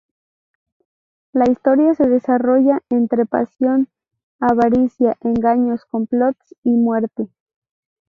La historia se desarrolla entre pasión, avaricia, engaños, complots y muerte.